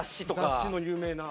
雑誌の有名な。